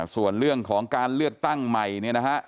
ส่วนเรื่องของการเลือกตั้งใหม่เนี่ยนะฮะ